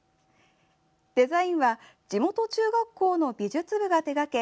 デザインは地元中学校の美術部が手がけ